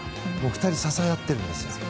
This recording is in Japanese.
２人、支え合っているんです。